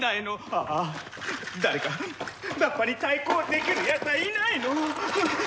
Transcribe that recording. ああっ誰かバッファに対抗できるやつはいないの！？